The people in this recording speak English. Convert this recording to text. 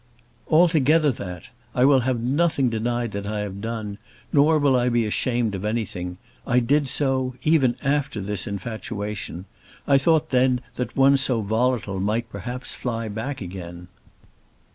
"Altogether that! I will have nothing denied that I have done, nor will I be ashamed of anything. I did do so, even after this infatuation. I thought then that one so volatile might perhaps fly back again."